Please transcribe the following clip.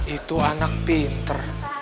itu anak pinter